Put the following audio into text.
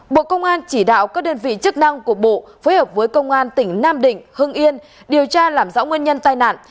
bộ công an chỉ đạo các đơn vị chức năng của bộ phối hợp với công an tỉnh nam định hưng yên điều tra làm rõ nguyên nhân tai nạn